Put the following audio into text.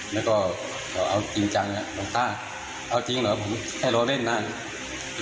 แล้วก็เขาอ้าวจริงจังนะลุงตาเอาจริงเหรอผมแค่รอเล่นหน่านี้